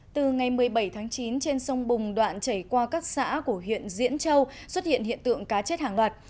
từ ngày một mươi bảy tháng chín trên sông bùng đoạn chảy qua các xã của huyện diễn châu xuất hiện hiện tượng cá chết hàng loạt